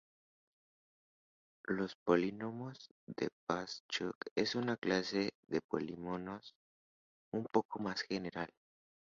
Los polinomios de Boas-Buck es una clase de polinomios un poco más general.